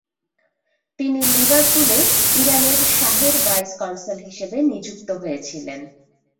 তিনি লিভারপুলে ইরানের শাহের ভাইস কনসাল হিসেবে নিযুক্ত হয়েছিলেন।